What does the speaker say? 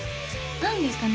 何ですかね